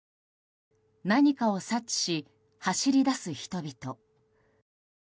何かを察知し走り出す人々。